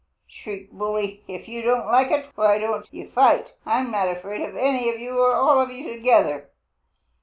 shrieked Bully. "If you don't like it, why don't you fight? I am not afraid of any of you or all of you together."